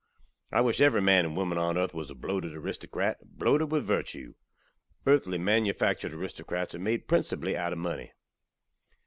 I wish every man and woman on earth waz a bloated aristokrat bloated with virtew. Earthly manufaktured aristokrats are made principally out ov munny.